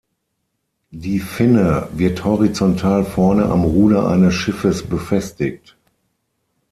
Die Finne wird horizontal vorne am Ruder eines Schiffes befestigt.